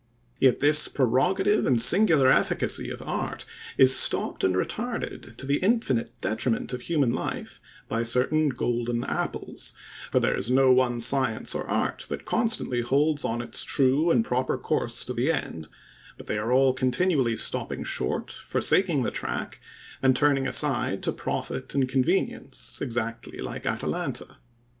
Yet this prerogative and singular efficacy of art is stopped and retarded to the infinite detriment of human life, by certain golden apples; for there is no one science or art that constantly holds on its true and proper course to the end, but they are all continually stopping short, forsaking the track, and turning aside to profit and convenience, exactly like Atalanta.